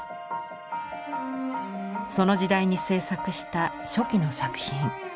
その時代に制作した初期の作品。